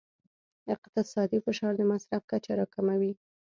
اقتصادي فشار د مصرف کچه راکموي.